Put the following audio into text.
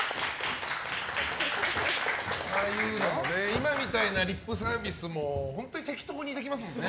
今みたいなリップサービスも本当に適当にできますもんね。